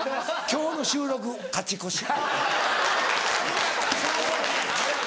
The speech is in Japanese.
今日の収録勝ち越し。